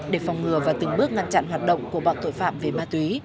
để phòng ngừa và từng bước ngăn chặn hoạt động của bọn tội phạm về ma túy